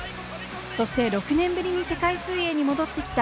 そして６年ぶりに世界水泳に戻ってきた！